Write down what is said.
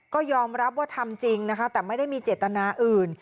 ก็ยอมรับว่าทำจริงนะคะแต่ไม่ได้มีเจตนาอื่น